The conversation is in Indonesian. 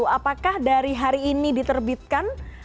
apakah dari hari ini diterbitkan